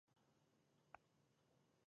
دا د سیسټمونو بشپړه او ټولیزه مطالعه ده.